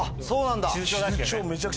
そうなんだ。